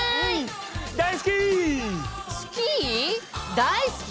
大好き？